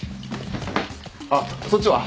あっそっちは？